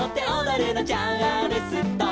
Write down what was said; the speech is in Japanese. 「チャールストン」